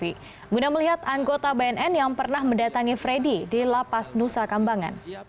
guna melihat anggota bnn yang pernah mendatangi freddy di lapas nusa kambangan